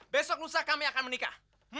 besok lusa kami akan menikah